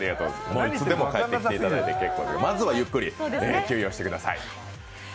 もういつでも帰ってきていただいて結構ですのでまずは休養してください。